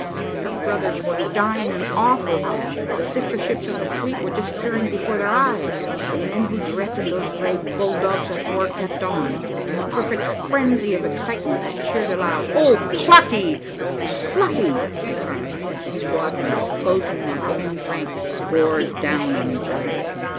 Their brothers were dying an awful death, the sister ships of the fleet were disappearing before their eyes, but the men who directed those gray bull dogs of war kept on. In a perfect frenzy of excitement, I cheered aloud. "Oh plucky, plucky!" I cried, as the squadrons, closing their thinned ranks, bore down on each other.